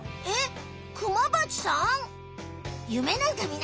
えっ！？